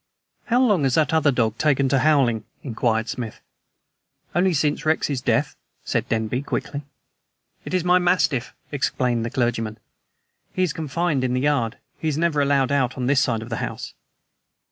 "How long has that other dog taken to howling?" inquired Smith. "Only since Rex's death," said Denby quickly. "It is my mastiff," explained the clergyman, "and he is confined in the yard. He is never allowed on this side of the house."